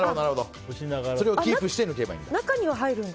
それをキープして抜けばいいんだ。